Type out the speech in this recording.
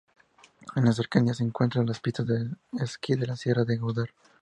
En las cercanías se encuentran las pistas de esquí de la Sierra de Gúdar.